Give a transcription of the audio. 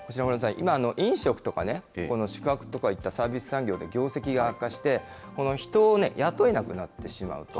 今、飲食とか、宿泊とかいったサービス産業で業績が悪化して、人を雇えなくなってしまうと。